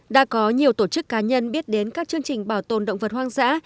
đã có nhiều tổ chức cá nhân biết đến các chương trình bảo tồn động vật hoang dã